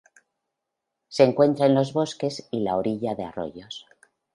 Se encuentra en los bosques y la orilla de arroyos.